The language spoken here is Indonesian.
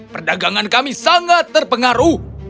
perdagangan kami sangat terpengaruh